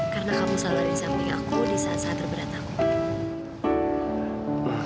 karena kamu sabarin sambil aku di saat saat terberat aku